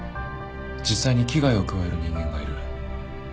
実際に危害を加える人間がいる。